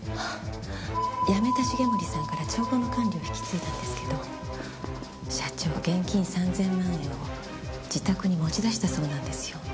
辞めた重森さんから帳簿の管理を引き継いだんですけど社長現金３０００万円を自宅に持ち出したそうなんですよ。